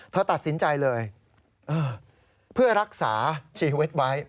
เธอตัดสินใจเลยเพื่อรักษาชีวิตไว้